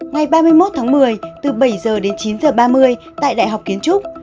ngày ba mươi một tháng một mươi từ bảy h đến chín h ba mươi tại đại học kiến trúc